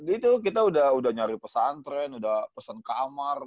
itu kita udah nyari pesantren udah pesen kamar